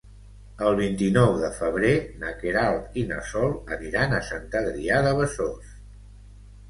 El vint-i-nou de febrer na Queralt i na Sol aniran a Sant Adrià de Besòs.